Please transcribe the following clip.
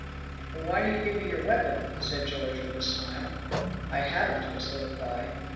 "Then why do you give me your weapon?" said George with a smile. "I haven't," was the reply.